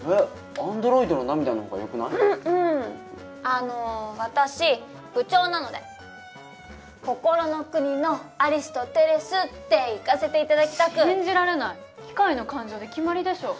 あの私部長なので「こころの国のアリスとテレス」でいかせて頂きたく。信じられない。「機械の感情」で決まりでしょ。